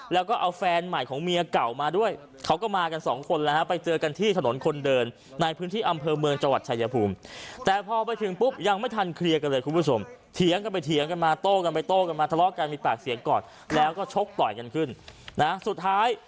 แล้วก็เอาแฟนใหม่ของเมียเก่ามาด้วยเขาก็มากันสองคนแล้วฮะ